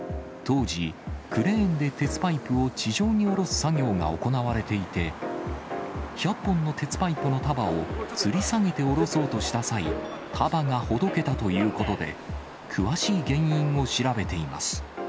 当時、クレーンで鉄パイプを地上に下ろす作業が行われていて、１００本の鉄パイプの束をつり下げて下ろそうとした際、束がほどけたということで、詳しい原因を調べています。